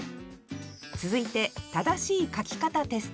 続いて正しい書き方テスト。